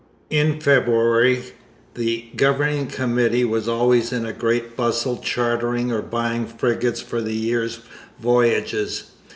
In February the Governing Committee was always in a great bustle chartering or buying frigates for the year's voyages.